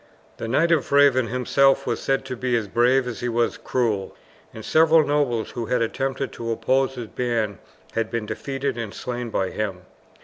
The Knight of the Raven himself was said to be as brave as he was cruel, and several nobles who had attempted to oppose his band had been defeated and slain by him.